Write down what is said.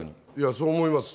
そう思います。